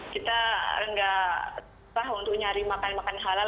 kita nggak tahu untuk nyari makanan makanan halal